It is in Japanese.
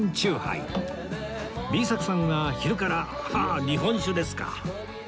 Ｂ 作さんは昼からああ日本酒ですか！